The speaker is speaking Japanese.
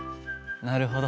なるほど。